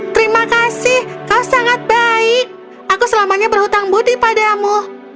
terima kasih kau sangat baik aku selamanya berhutang budi padamu